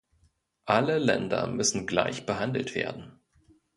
Alle Länder müssen gleich behandelt werden.